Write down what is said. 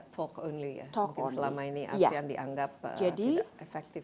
talk only mungkin selama ini asean dianggap tidak efektif